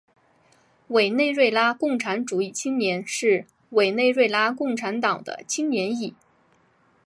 委内瑞拉共产主义青年是委内瑞拉共产党的青年翼。